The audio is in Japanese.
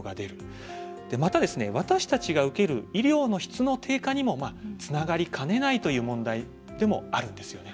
また私たちが受ける医療の質の低下にもつながりかねないという問題でもあるんですよね。